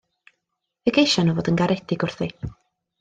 Fe geision nhw fod yn garedig wrthi.